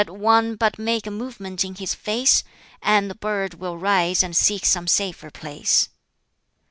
"Let one but make a movement in his face, And the bird will rise and seek some safer place."